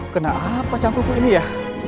kena apa cangkulku ini ya